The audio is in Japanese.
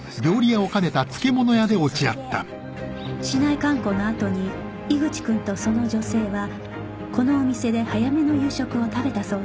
市内観光の後に井口君とその女性はこのお店で早めの夕食を食べたそうだ